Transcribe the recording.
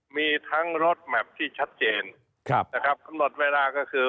มีทั้งรถแมพที่ชัดเจนครับนะครับกำหนดเวลาก็คือ